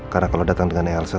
karena kalau datang dengan elsa